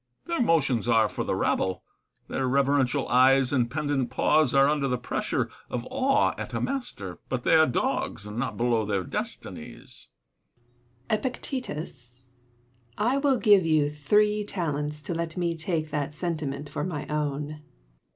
Their motions are for the rabble; their reverential eyes and pendant paws are under the pressure of awe at a master ; but they are dogs, and not below their destinies. Seneca. Epictetus ? I will give you three talents to let me take that sentiment for my own.